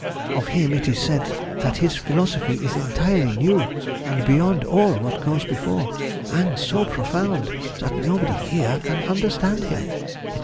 _ Of him it is said that his philosophy is entirely new, and beyond all what goes before, and so profound, that nobody here can understand him, &c.